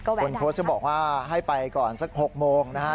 ก็แวะได้นะครับคนโค้ชจะบอกว่าให้ไปก่อนสัก๖โมงนะฮะ